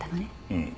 うん。